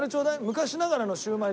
昔ながらのシウマイ。